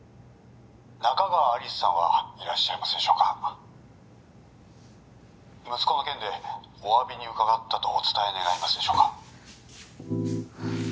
仲川有栖さんはいらっしゃいますでしょうか息子の件でお詫びに伺ったとお伝え願えますでしょうか